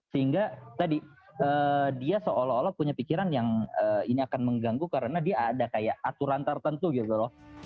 sehingga tadi dia seolah olah punya pikiran yang ini akan mengganggu karena dia ada kayak aturan tertentu gitu loh